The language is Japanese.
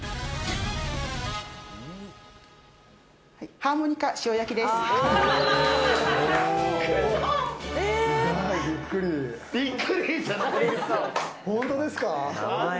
ハーモニカ塩焼きです。